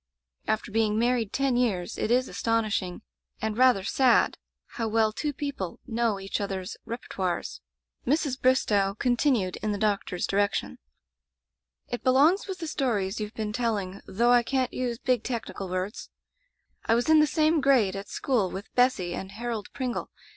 After being married ten years, it is astonishing, and rather sad, how well two people know each other's repertoires. Mrs. Bristow con tinued in the doctor's direction: Digitized by LjOOQ IC Interventions "It belongs with the stories youVe been telling, though I can'tuse big technical words. "I was in the same grade at school with Bessy and Harold Pringle.